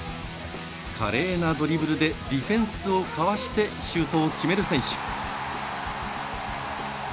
華麗なドリブルでディフェンスをかわしてシュートを決める選手。